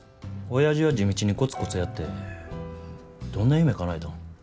おやじは地道にコツコツやってどんな夢かなえたん。